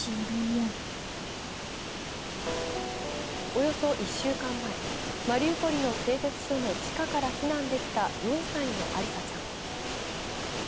およそ１週間前、マリウポリの製鉄所の地下から避難できた４歳のアリサちゃん。